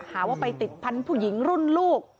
หาว่าไปติดพันธุ์ผู้หญิงรุ่นลูก